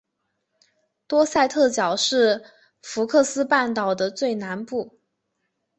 多塞特角是福克斯半岛的最南端。